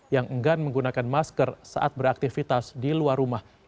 yang enggan menggunakan masker saat beraktivitas di luar rumah